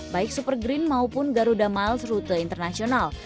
baik super green maupun garuda miles rute internasional